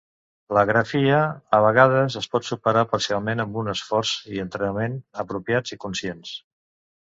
L'agrafia a vegades es pot superar parcialment amb un esforç i entrenament apropiats i conscients.